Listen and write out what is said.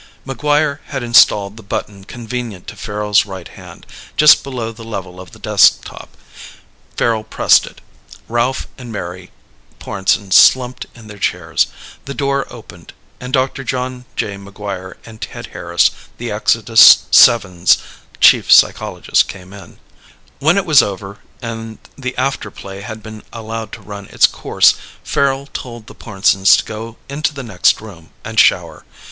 MacGuire had installed the button convenient to Farrel's right hand, just below the level of the desk top. Farrel pressed it. Ralph and Mary Pornsen slumped in their chairs. The door opened, and Doctor John J. MacGuire and Ted Harris, the Exodus VII's chief psychologist, came in. When it was over, and the after play had been allowed to run its course, Farrel told the Pornsens to go into the next room and shower.